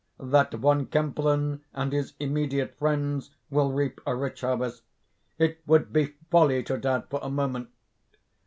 That Von Kempelen and his immediate friends will reap a rich harvest, it would be folly to doubt for a moment.